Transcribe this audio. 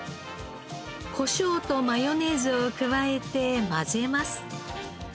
こしょうとマヨネーズを加えて混ぜます。